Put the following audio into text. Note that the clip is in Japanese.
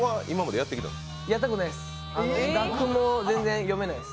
やったことないです。